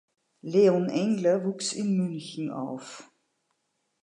Leon Engler wuchs in München auf.